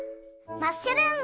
マッシュルーム。